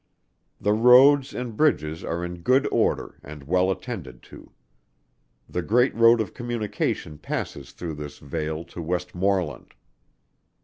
The roads and bridges are in good order and well attended to. The great road of communication passes through this Vale to Westmorland.